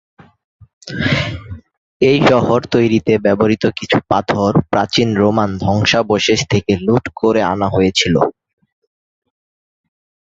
এই শহর তৈরিতে ব্যবহৃত কিছু পাথর প্রাচীন রোমান ধ্বংসাবশেষ থেকে লুট করে আনা হয়েছিলো।